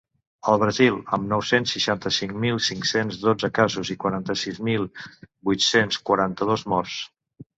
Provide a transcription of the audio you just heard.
El Brasil, amb nou-cents seixanta-cinc mil cinc-cents dotze casos i quaranta-sis mil vuit-cents quaranta-dos morts.